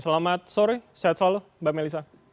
selamat sore sehat selalu mbak melisa